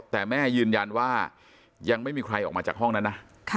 แต่แม่ยืนยันว่ายังไม่มีใครออกมาจากห้องนั้นนะ